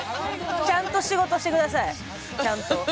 ちゃんと仕事してください、ちゃんと。